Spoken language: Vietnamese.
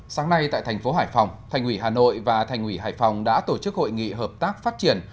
sáng nay tại thành phố hải phòng thành ủy hà nội và thành ủy hải phòng đã tổ chức hội nghị hợp tác phát triển